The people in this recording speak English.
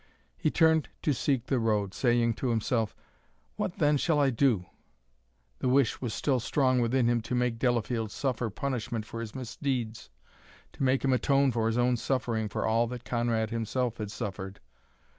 He turned to seek the road, saying to himself, "What, then, shall I do?" The wish was still strong within him to make Delafield suffer punishment for his misdeeds, to make him atone by his own suffering for all that Conrad himself had suffered.